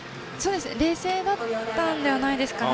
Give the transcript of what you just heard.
冷静だったのではないですかね。